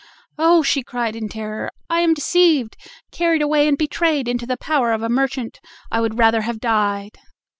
"Oh!" she cried in terror, "I am deceived, carried away and betrayed into the power of a merchant; I would rather have died!"